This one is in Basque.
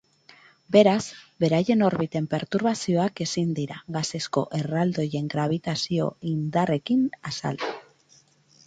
Beraz, beraien orbiten perturbazioak ezin dira gasezko erraldoien grabitazio-indarrekin azaldu.